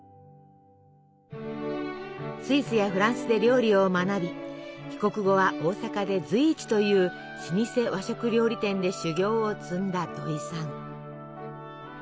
スイスやフランスで料理を学び帰国後は大阪で随一という老舗和食料理店で修業を積んだ土井さん。